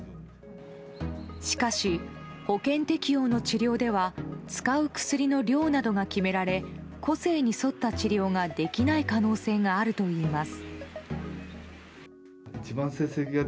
しかし、保険適用の治療では使う薬の量などが決められ個性に沿った治療ができない可能性があるといいます。